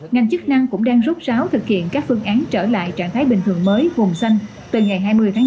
ngành chức năng cũng đang rút ráo thực hiện các phương án trở lại trạng thái bình thường mới gồm xanh từ ngày hai mươi tháng chín